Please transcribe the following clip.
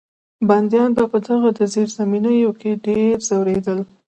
بندیان به په دغو زیرزمینیو کې ډېر ځورېدل.